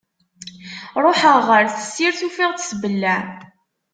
Ruḥeɣ ɣer tessirt ufiɣ-tt tbelleɛ.